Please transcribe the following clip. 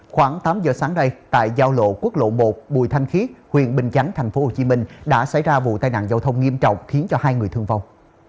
khoảng tám giờ sáng nay tại giao lộ quốc lộ một bùi thanh khiết huyện bình chánh tp hcm đã xảy ra vụ tai nạn giao thông nghiêm trọng khiến cho hai người thương vong